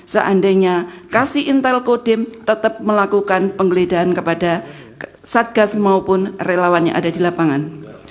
seandainya kasih intel kodim tetap melakukan penggeledahan kepada satgas maupun relawan yang ada di lapangan